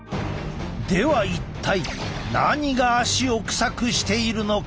では一体何が足をくさくしているのか？